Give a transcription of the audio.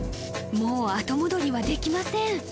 もう後戻りはできません